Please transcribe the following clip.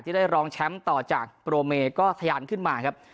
ได้รองแชมป์ต่อจากโปรเมก็ทะยานขึ้นมาครับ